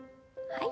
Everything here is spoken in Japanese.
はい。